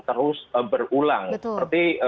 terus berulang seperti